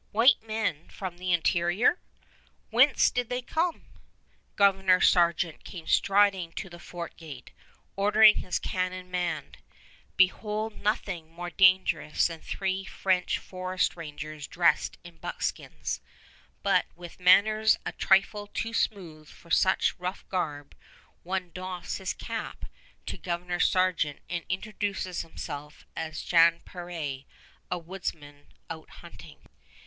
"White men from the interior! Whence did they come?" Governor Sargeant came striding to the fort gate, ordering his cannon manned. Behold nothing more dangerous than three French forest rangers dressed in buckskins, but with manners a trifle too smooth for such rough garb, as one doffs his cap to Governor Sargeant and introduces himself as Jan Peré, a woodsman out hunting.